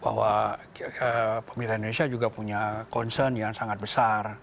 bahwa pemerintah indonesia juga punya concern yang sangat besar